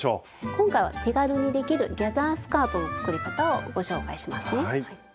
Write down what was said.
今回は手軽にできるギャザースカートの作り方をご紹介しますね。